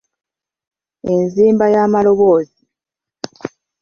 Enzimba y’amaloboozi